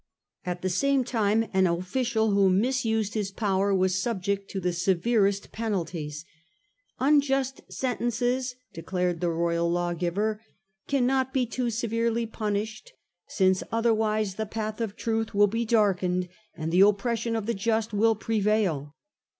At the same time an official who misused his power was subjected to the severest penalties. " Un just sentences," declared the royal lawgiver, " cannot be too severely punished, since otherwise the path of truth will be darkened and the oppression of the just will prevail.